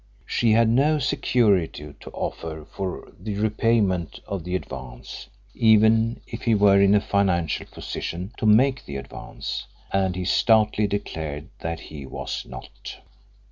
She had no security to offer for the repayment of the advance even if he were in a financial position to make the advance and he stoutly declared that he was not.